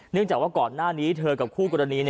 จากว่าก่อนหน้านี้เธอกับคู่กรณี